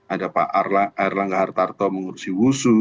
ada pak erlangga hartarto mengurusi wusu